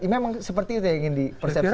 memang seperti itu yang ingin dipersepsikan